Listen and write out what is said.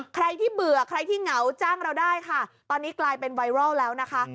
ใครที่เบื่อใครที่เหงาจ้างเราได้ค่ะตอนนี้กลายเป็นไวรัลแล้วนะคะ